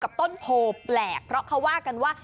ต้นโพแปลกเพราะเขาว่ากันว่า